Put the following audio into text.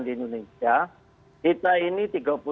di indonesia kita ini